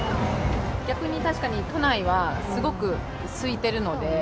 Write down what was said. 逆に確かに都内は、すごくすいてるので。